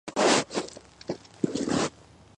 გრძივ კედლებში ოთხ-ოთხი ფართო სარკმელია.